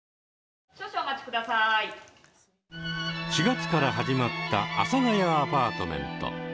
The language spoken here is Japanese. ４月から始まった「阿佐ヶ谷アパートメント」。